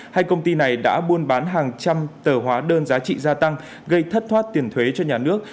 hai công ty này đã buôn bán hàng trăm tờ hóa đơn giá trị gia tăng gây thất thoát tiền thuế cho nhà nước